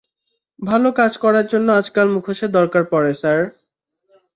ভালো কাজ করার জন্য আজকাল মুখোশের দরকার পড়ে, স্যার!